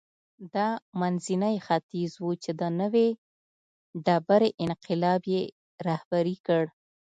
دا منځنی ختیځ و چې د نوې ډبرې انقلاب یې رهبري کړ.